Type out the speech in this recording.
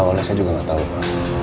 awalnya saya juga gak tau pa